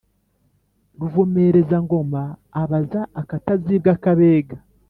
ruvumereza-ngoma abaza akatazibwa k’abega